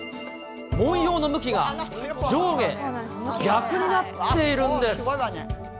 紋様の向きが上下逆になっているんです。